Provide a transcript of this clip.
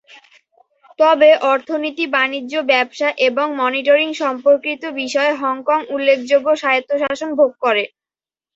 তবে অর্থনীতি, বাণিজ্য, ব্যবসা এবং মনিটরিং সম্পর্কিত বিষয়ে হংকং উল্লেখযোগ্য স্বায়ত্তশাসন ভোগ করে।